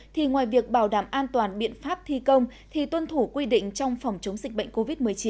thì ngoài việc bảo đảm an toàn biện pháp thi công thì tuân thủ quy định trong phòng chống dịch bệnh covid một mươi chín